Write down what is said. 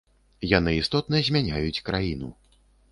Яны істотна змяняюць краіну.